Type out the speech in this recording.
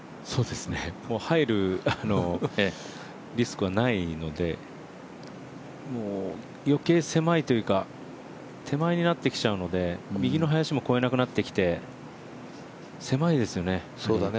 入るリスクはないので余計狭いというか手前になってきちゃうので、右の林も越えなくなってきて狭いですよね。